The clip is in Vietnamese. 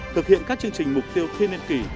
thực hiện các chương trình mục tiêu thiên niên kỳ